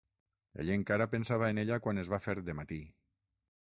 Ell encara pensava en ella quan es va fer de matí.